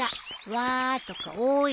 「わあ」とか「おい」